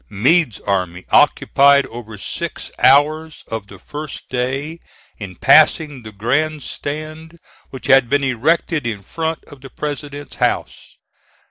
Meade's army occupied over six hours of the first day in passing the grand stand which had been erected in front of the President's house.